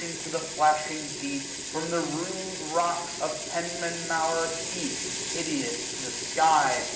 Into the flashing deep, from the rude rocks Of Penmanmaur heap'd hideous to the sky.